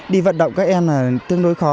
đi vận động các em là tương đối khó